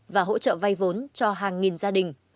và hỗ trợ vay vốn cho hàng nghìn gia đình